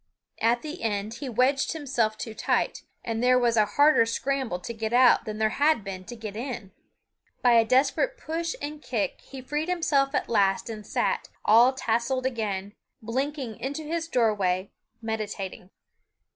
At the end he wedged himself too tight, and there was a harder scramble to get out than there had been to get in. By a desperate push and kick he freed himself at last and sat, all tousled again, blinking into his doorway, meditating.